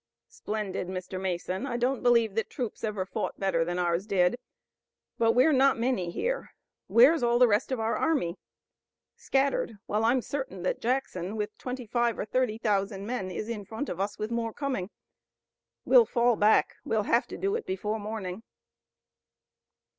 "Splendid, Mr. Mason, I don't believe that troops ever fought better than ours did. But we're not many here. Where's all the rest of our army? Scattered, while I'm certain that Jackson with twenty five or thirty thousand men is in front of us, with more coming. We'll fall back. We'll have to do it before morning."